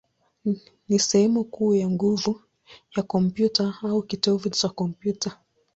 ni sehemu kuu ya nguvu ya kompyuta, au kitovu cha kompyuta.